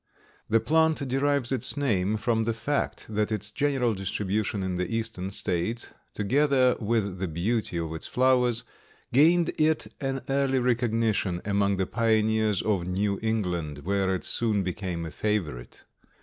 The plant derives its name from the fact that its general distribution in the Eastern States together with the beauty of its flowers gained it an early recognition among the pioneers of New England, where it soon became a favorite.